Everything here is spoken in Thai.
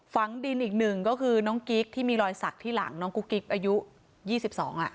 ฝังดินอีกหนึ่งก็คือน้องกิ๊กที่มีรอยสักที่หลังน้องกุ๊กกิ๊กอายุ๒๒อ่ะ